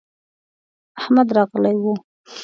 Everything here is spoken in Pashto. احمد راغلی و.